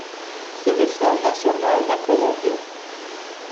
Seleção Nacional da Colômbia.